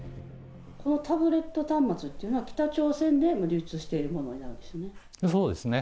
このタブレット端末というのは、北朝鮮で流通しているものなんですね。